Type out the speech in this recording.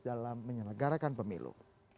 dalam menyelenggarakan pemilu